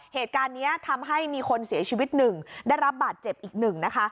เหตุการณ์นี้ทำให้มีคนเสียชีวิตหนึ่งได้รับบาดเจ็บอีกหนึ่งนะคะ